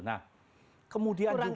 nah kemudian juga